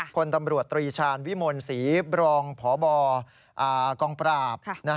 คนตำรวจตรีชาญวิมลศรีบรองพบกองปราบ